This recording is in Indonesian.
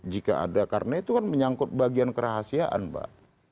jika ada karena itu kan menyangkut bagian kerahasiaan mbak